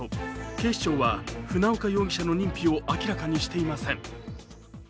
警視庁は船岡容疑者の認否を明らかにしていません。